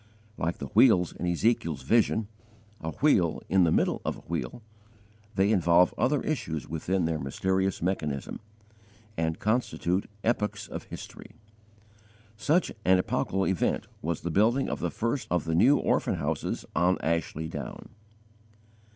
Like the wheels in Ezekiel's vision a wheel in the middle of a wheel, they involve other issues within their mysterious mechanism, and constitute epochs of history. Such an epochal event was the building of the first of the New Orphan Houses on Ashley Down.